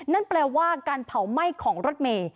นั่นแปลว่าการเผาไหม้ของรถเมย์